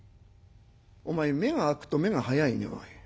「お前目が明くと目が早いねおい。